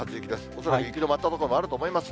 恐らく雪の舞った所もあると思います。